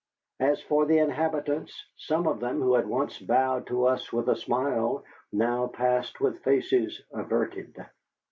As for the inhabitants, some of them who had once bowed to us with a smile now passed with faces averted.